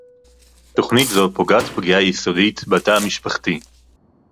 תוכנית זו פוגעת פגיעה יסודית בתא המשפחתי